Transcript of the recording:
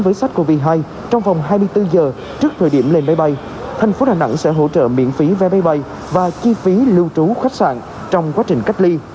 với sách covid hai trong vòng hai mươi bốn h trước thời điểm lên bay bay thành phố đà nẵng sẽ hỗ trợ miễn phí vé bay bay và chi phí lưu trú khách sạn trong quá trình cách ly